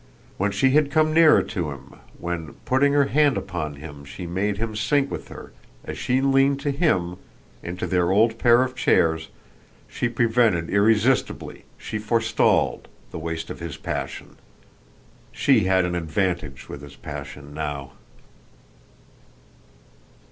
When she had come nearer to him, when, putting her hand upon him, she made him sink with her, as she leaned to him, into their old pair of chairs, she prevented irresistibly, she forestalled, the waste of his passion. She had an advantage with his passion now.